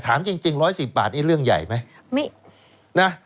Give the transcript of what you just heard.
ถามจริง๑๑๐บาทนี่เรื่องใหญ่ไหมไม่นะ